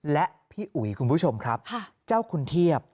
และพี่อุ๋ยคุณผู้ชมครับเจ้าคุณเทียบ